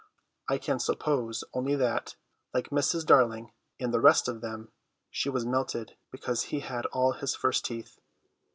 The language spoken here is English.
I can suppose only that, like Mrs. Darling and the rest of them, she was melted because he had all his first teeth.